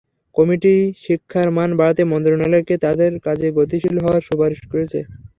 Committee শিক্ষার মান বাড়াতে মন্ত্রণালয়কে তাদের কাজে গতিশীল হওয়ার সুপারিশ করেছে।